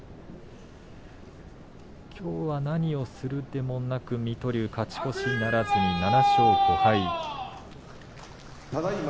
きょうは何をするでもなく水戸龍は勝ち越しならずに７勝５敗。